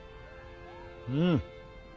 うん！